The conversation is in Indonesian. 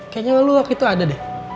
kayaknya lalu waktu itu ada deh